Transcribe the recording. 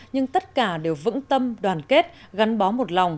nhưng tất cả đều vững tâm đoàn kết gắn bó một lòng